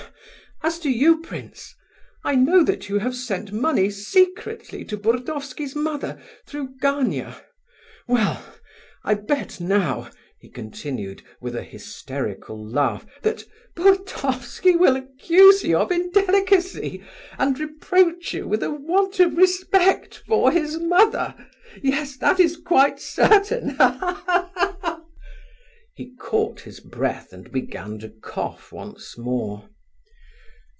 As to you, prince, I know that you have sent money secretly to Burdovsky's mother through Gania. Well, I bet now," he continued with an hysterical laugh, "that Burdovsky will accuse you of indelicacy, and reproach you with a want of respect for his mother! Yes, that is quite certain! Ha, ha, ha!" He caught his breath, and began to cough once more.